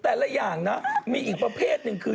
แต่ละอย่างนะมีอีกประเภทหนึ่ง